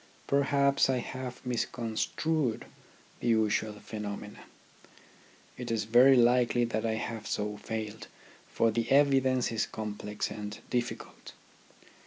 Per haps I have misconstrued the usual phenomena. It is very likely that I have so failed, for the evidence is complex and difficult.